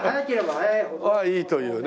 あっいいというね。